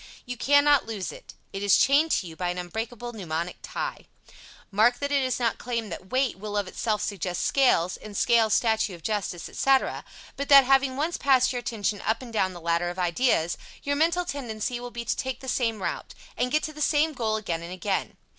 You cannot lose it. It is chained to you by an unbreakable mnemonic tie. Mark that it is not claimed that "weight" will of itself suggest "scales," and "scales" "statue of Justice," etc., but that, having once passed your attention up and down that ladder of ideas, your mental tendency will be to take the same route, and get to the same goal again and again.